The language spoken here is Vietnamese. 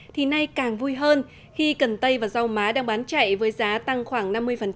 thì nay càng vui hơn khi cần tây và rau má đang bán chạy với giá tăng khoảng năm mươi